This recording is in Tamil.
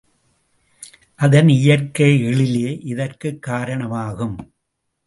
அதன் இயற்கை எழிலே இதற்குக் காரணமாகும்.